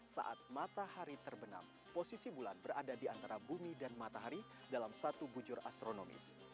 saat matahari terbenam posisi bulan berada di antara bumi dan matahari dalam satu bujur astronomis